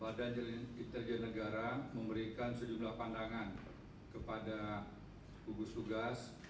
badan intelijen negara memberikan sejumlah pandangan kepada gugus tugas